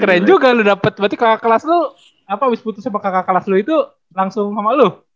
keren juga lu dapet berarti kakak kelas lu abis putus sama kakak kelas lu itu langsung sama lu